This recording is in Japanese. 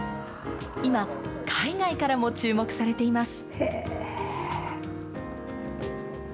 今、海外からも注目されています。